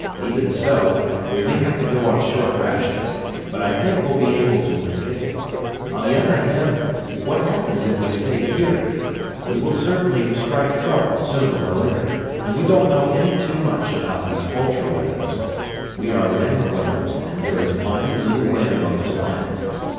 Even so, we may have to go on short rations, but I think that we'll be able to make it. On the other hand, what happens if we stay here? We will certainly strike trouble sooner or later, and we don't know any too much about these ultra weapons. We are land dwellers, and there is mighty little land on this planet.